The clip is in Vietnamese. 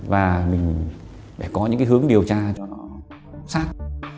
và mình phải có những hướng điều tra cho nó sát